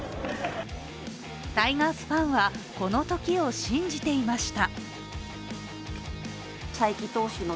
タイガースファンはこのときを信じていました。